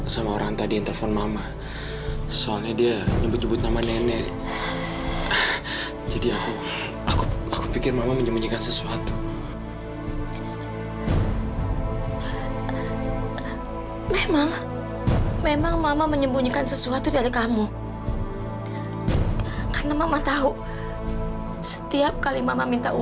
sampai jumpa di video selanjutnya